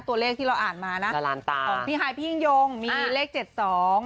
ตัวเลขที่เราอ่านมาน่ะละลานตาของพี่คายพี่หญิงยงมีเลขเจ็ดสอง